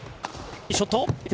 いいショット！